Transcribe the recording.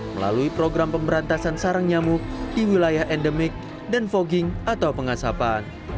melalui program pemberantasan sarang jangkauan